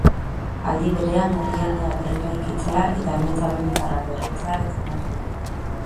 Aldi berean, herrialdea berreraikitzea eta amets amerikarra berritzea defendatu du.